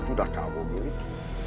terima kasih pak